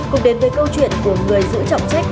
cùng đến với câu chuyện của người giữ trọng trách